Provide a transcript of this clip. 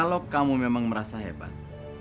kalau kamu memang merasa hebat